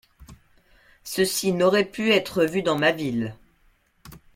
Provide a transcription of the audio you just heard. Ceci n'aurait pu être vu dans ma ville.